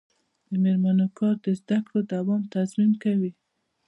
د میرمنو کار د زدکړو دوام تضمین کوي.